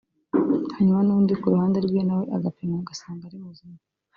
hanyuma n’undi ku ruhande rwe nawe agapimwa agasanga ari muzima